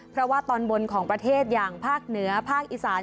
เพราะว่าตอนบนของประเทศอย่างภาคเหนือภาคอีสาน